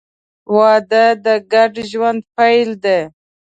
• واده د ګډ ژوند پیل دی.